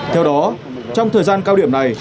theo đó trong thời gian cao điểm này